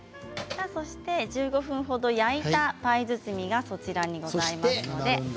１５分ほど焼いたパイ包みが、そちらにあります。